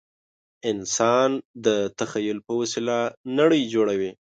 انسان د تخیل په وسیله نړۍ جوړوي.